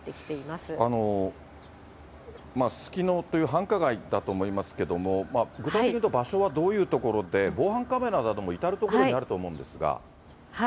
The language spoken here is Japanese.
すすきのという繁華街だと思いますけども、具体的にいうと場所はどういう所で、防犯カメラなども至る所にあると思うんですが。